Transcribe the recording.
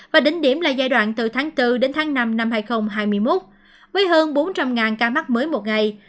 và đỉnh điểm là giai đoạn từ tháng bốn đến tháng năm năm hai nghìn hai mươi một với hơn bốn trăm linh ca mắc mới một ngày